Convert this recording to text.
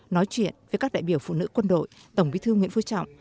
nói chuyện với các đại biểu phụ nữ quân đội tổng bí thư nguyễn phú trọng